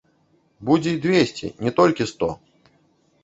Будзе і дзвесце, не толькі сто!